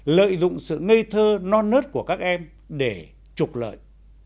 lợi dụng sự ngây thơ non nớt của các em để trục lợi